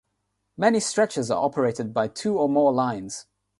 Many stretches are operated by two or more lines.